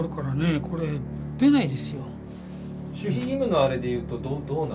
守秘義務のあれで言うとどうなんですか？